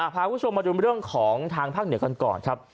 พาคุณผู้ชมมาดูเรื่องของทางภาคเหนือกันก่อนครับ